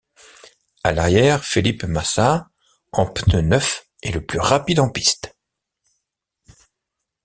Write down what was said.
À l'arrière, Felipe Massa, en pneus neufs, est le plus rapide en piste.